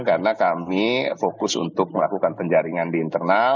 karena kami fokus untuk melakukan penjaringan di internal